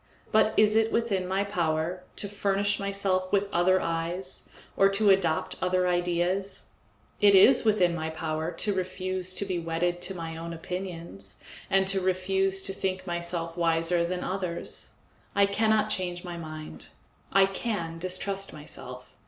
But is it within my power to furnish myself with other eyes, or to adopt other ideas? It is within my power to refuse to be wedded to my own opinions and to refuse to think myself wiser than others. I cannot change my mind; I can distrust myself.